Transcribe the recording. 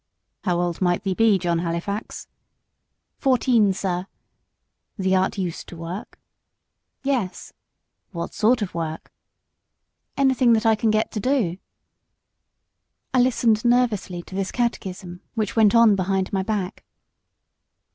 "How old might thee be, John Halifax?" "Fourteen, sir." "Thee art used to work?" "Yes." "What sort of work?" "Anything that I can get to do." I listened nervously to this catechism, which went on behind my back.